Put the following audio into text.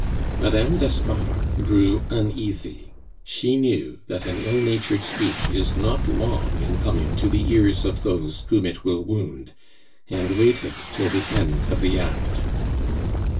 Mme. d'Espard grew uneasy. She knew that an ill natured speech is not long in coming to the ears of those whom it will wound, and waited till the end of the act.